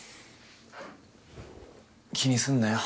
気にすんなよ。